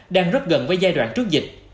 đang rất gần với giai đoạn trước dịch